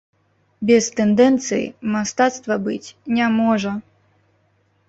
Без тэндэнцыі мастацтва быць не можа.